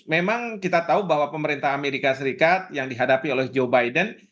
memang kita tahu bahwa pemerintah amerika serikat yang dihadapi oleh joe biden